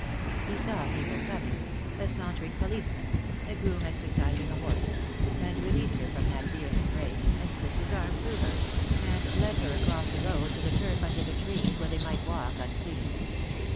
He saw people coming — a sauntering policeman — a groom exercising a horse, and released her from that fierce embrace, and slipped his arm through hers, and led her across the road to the turf under the trees, where they might walk unseen.